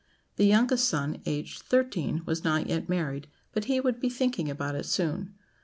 The youngest son, aged thirteen, was not yet married; but he would be thinking about it soon.